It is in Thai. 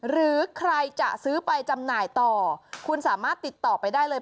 หรือใครจะซื้อไปจำหน่ายต่อคุณสามารถติดต่อไปได้เลย